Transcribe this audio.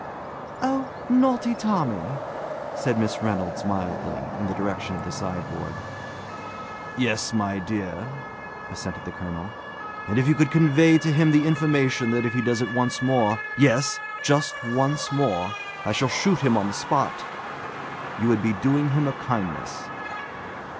"Oh, naughty Tommy!" said Miss Reynolds mildly, in the direction of the sideboard. "Yes, my dear," assented the colonel; "and if you could convey to him the information that if he does it once more yes, just once more! I shall shoot him on the spot you would be doing him a kindness."